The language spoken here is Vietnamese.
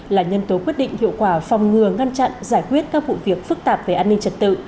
là nhân tố quyết định hiệu quả phòng ngừa ngăn chặn giải quyết các vụ việc phức tạp về an ninh trật tự